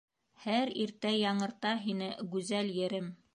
Һәр иртә яңырта һине, гүзәл ерем!